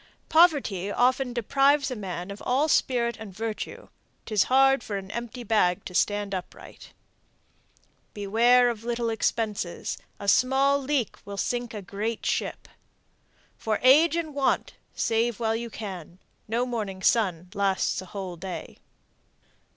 Poverty often deprives a man of all spirit and virtue, 'Tis hard for an empty bag to stand upright. Beware of little expenses; a small leak will sink a great ship. For age and want, save while you may. No morning sun lasts a whole day.